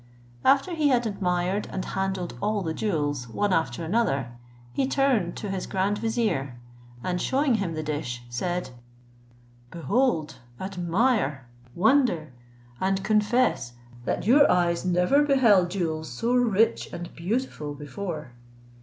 After he had admired and handled all the jewels, one after another, he turned to his grand vizier, and shewing him the dish, said, "Behold, admire, wonder, and confess that your eyes never beheld jewels so rich and beautiful before."